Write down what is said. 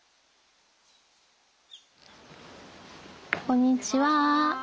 こんにちは。